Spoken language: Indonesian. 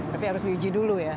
tapi harus diuji dulu ya